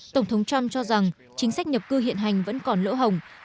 tổng thống trump cho rằng chính sách nhập cư hiện hành vẫn còn lỗ hồng